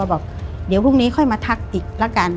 บอกเดี๋ยวพรุ่งนี้ค่อยมาทักอีกละกัน